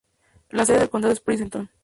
La sede de condado es Princeton.